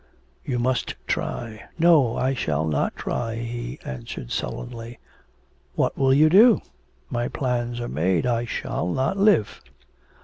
'You must try.' 'No, I shall not try,' he answered sullenly. 'What will you do?' 'My plans are made. I shall not live.'